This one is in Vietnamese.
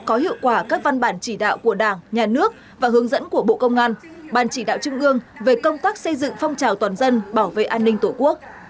có hiệu quả các văn bản chỉ đạo của đảng nhà nước và hướng dẫn của bộ công an ban chỉ đạo trung ương về công tác xây dựng phong trào toàn dân bảo vệ an ninh tổ quốc